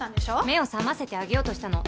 目を覚ませてあげようとしたの。